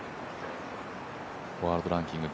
ワールドランキング